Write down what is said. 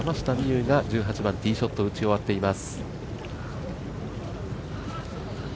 有が１８番ティーショットを打ち終わっています。